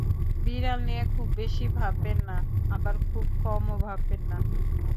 বিড়াল নিয়ে খুব বেশি ভাববেন না, আবার খুব কমও ভাববেন না।